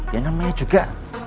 yang namanya juga